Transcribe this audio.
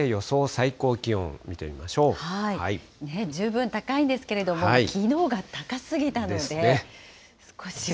最高気温、見てみまし十分高いんですけれども、きのうが高すぎたので、少しは。